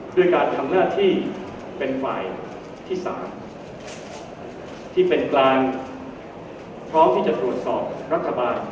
ด้วยการทำหน้าที่เป็นฝ่ายที่๓ที่เป็นกลางพร้อมที่จะตรวจสอบรัฐบาล